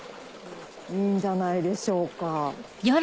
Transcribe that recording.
いいんじゃないでしょうか。